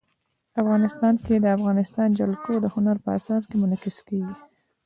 افغانستان کې د افغانستان جلکو د هنر په اثار کې منعکس کېږي.